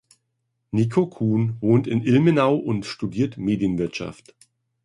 Nico Kuhn wohnt in Ilmenau und studiert Medienwirtschaft.